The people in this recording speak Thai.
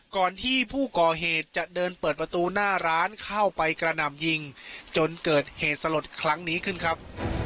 ก่อนที่ผู้ก่อเหตุจะเดินเปิดประตูหน้าร้านเข้าไปกระหน่ำยิงจนเกิดเหตุสลดครั้งนี้ขึ้นครับ